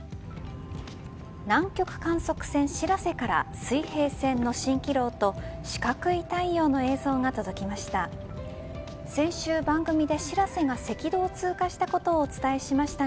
南極観測船しらせから水平線の蜃気楼と四角い太陽の映像が届きました。